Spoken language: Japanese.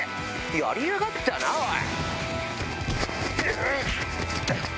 やりやがったなおい！